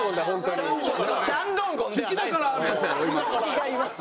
違います！